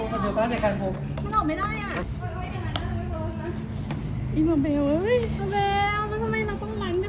หรือมันต้องหันข้างปะเอาน้ำให้มันกินหน่อยดี